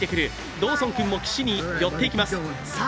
ドーソン君も岸に寄っていきます、さあ